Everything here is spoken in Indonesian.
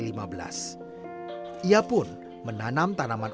ia pun menanam tanaman